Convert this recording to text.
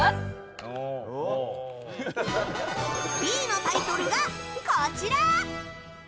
Ｂのタイトルが、こちら！